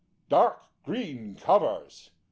Dark green covers.